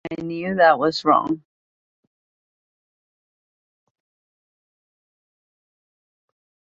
I knew that was wrong.